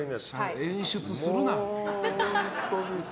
演出するな。